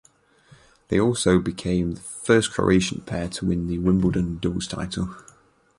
They also became the first Croatian pair to win the Wimbledon doubles title.